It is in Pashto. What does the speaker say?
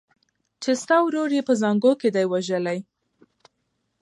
چي ستا ورور یې په زانګو کي دی وژلی